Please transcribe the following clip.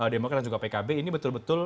demokrat dan juga pkb ini betul betul